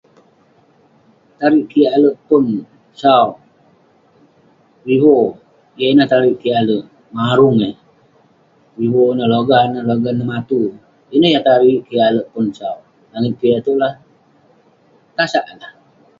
Tariik kik alek pon sau, vivo..yah ineh tariik kik alek..marung eh, vivo ineh logah neh logah nem atu..ineh yah tariik kik alek pon sau..langit piak itouk lah, tasag eh lah..